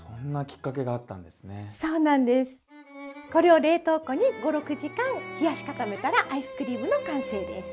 これを冷凍庫に５６時間冷やし固めたらアイスクリームの完成です。